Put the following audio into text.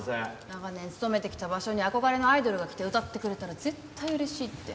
長年勤めてきた場所に憧れのアイドルが来て歌ってくれたら絶対嬉しいって。